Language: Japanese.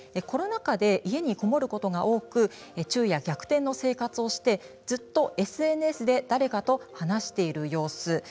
コロナ禍で家に籠もることが多く昼夜逆転の生活をして、ずっとＳＮＳで誰かと話している様子。